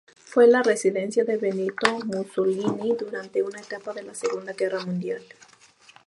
Fue la residencia de Benito Mussolini durante una etapa de la Segunda guerra Mundial